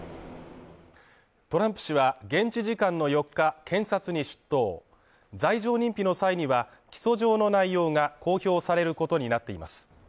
トランプ氏は現地時間の４日、検察に出頭、罪状認否の際には、起訴状の内容が公表されることになっています